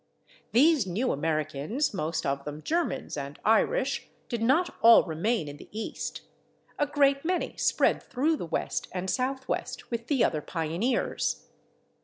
These new Americans, most of them Germans and Irish, did not all remain in the East; a great many spread through the West and Southwest with the other pioneers.